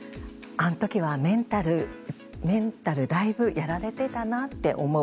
あの時はメンタルだいぶやられてたなと思う。